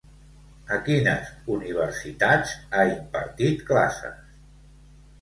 A quines universitats ha impartit classes?